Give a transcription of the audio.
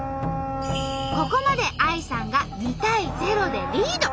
ここまでＡＩさんが２対０でリード！